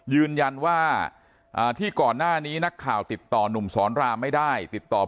ยืนยันว่าที่ก่อนหน้านี้นักข่าวติดต่อหนุ่มสอนรามไม่ได้ติดต่อ